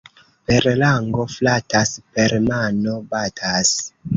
Per lango flatas, per mano batas.